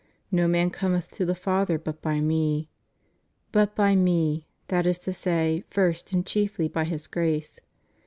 No man cometh to the Father but hy Me} But hy Me — that is to say, first and chiefly, by His grace.